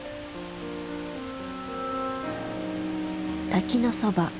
滝のそば